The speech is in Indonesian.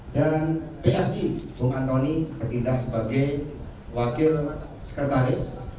dan psi bung antoni berkita sebagai wakil sekretaris